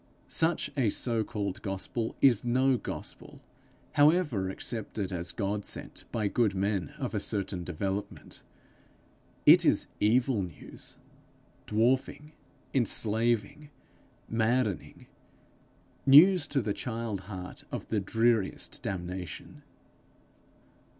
Such a so called gospel is no gospel, however accepted as God sent by good men of a certain development. It is evil news, dwarfing, enslaving, maddening news to the child heart of the dreariest damnation.